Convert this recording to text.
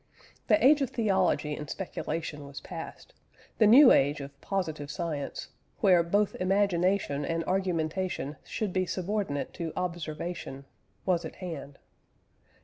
The age of theology and speculation was past; the new age of positive science, where both imagination and argumentation should be subordinate to observation, was at hand.